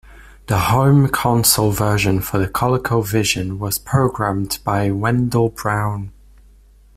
The home console version for the ColecoVision was programmed by Wendell Brown.